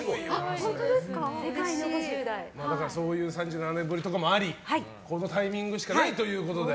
そういう３７年ぶりとかもありこのタイミングしかないということで。